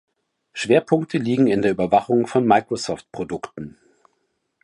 Schwerpunkte liegen in der Überwachung von Microsoft-Produkten.